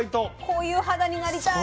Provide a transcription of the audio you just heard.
こういう肌になりたい。